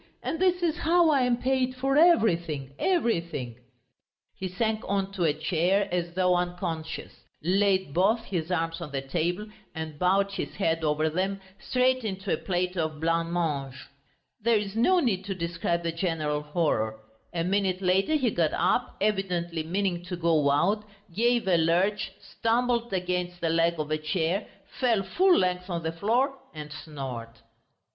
And this is how I am paid, for everything, everything!..." He sank on to a chair as though unconscious, laid both his arms on the table, and bowed his head over them, straight into a plate of blancmange. There is no need to describe the general horror. A minute later he got up, evidently meaning to go out, gave a lurch, stumbled against the leg of a chair, fell full length on the floor and snored....